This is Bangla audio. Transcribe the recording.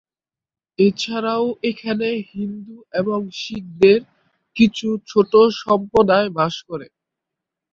এছাড়াও এখানে হিন্দু এবং শিখদের কিছু ছোট সম্প্রদায় বসবাস করে।